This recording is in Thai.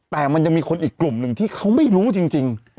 แต่มันยังมีคนอีกกลุ่มหนึ่งที่เขาไม่รู้จริง